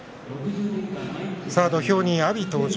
土俵に阿炎が登場。